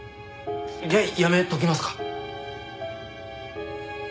じゃあやめときますか？